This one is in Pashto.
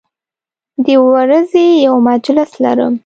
د ورځې یو مجلس لرم